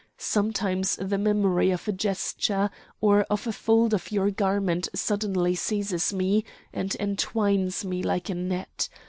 Sometimes the memory of a gesture or of a fold of your garment suddenly seizes me and entwines me like a net!